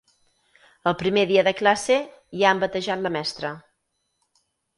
El primer dia de classe ja han batejat la mestra.